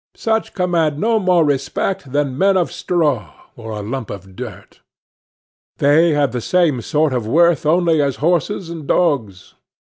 Such command no more respect than men of straw, or a lump of dirt. They have the same sort of worth only as horses and dogs.